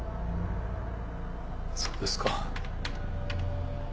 そうですか。